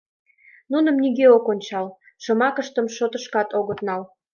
Нуным нигӧ ок ончал, шомакыштым шотышкат огыт нал.